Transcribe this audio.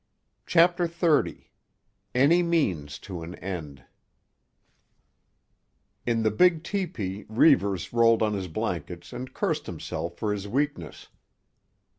CHAPTER XXX—ANY MEANS TO AN END In the big tepee Reivers rolled on his blankets and cursed himself for his weakness.